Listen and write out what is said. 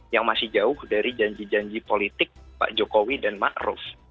yang masih jauh dari janji janji politik pak jokowi dan ma'ruf